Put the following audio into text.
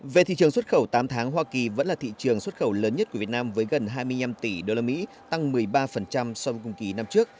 về thị trường xuất khẩu tám tháng hoa kỳ vẫn là thị trường xuất khẩu lớn nhất của việt nam với gần hai mươi năm tỷ usd tăng một mươi ba so với cùng kỳ năm trước